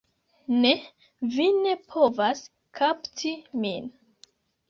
Ne, vi ne povas kapti min.